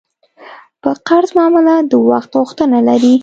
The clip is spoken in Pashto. په قرض معامله د وخت غوښتنه لري.